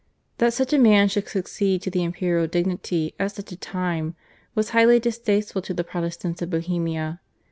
That such a man should succeed to the imperial dignity at such a time was highly distasteful to the Protestants of Bohemia.